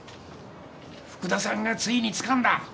福田さんがついにつかんだ！